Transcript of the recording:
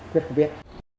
quyết không biết